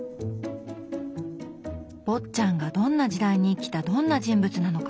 坊っちゃんがどんな時代に生きたどんな人物なのか？